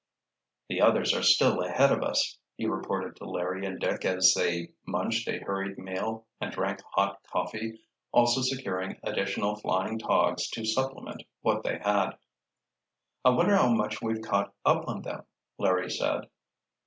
"The others are still ahead of us," he reported to Larry and Dick as they munched a hurried meal and drank hot coffee, also securing additional flying togs to supplement what they had. "I wonder how much we've caught up on them," Larry said.